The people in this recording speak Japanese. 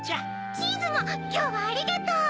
チーズもきょうはありがとう！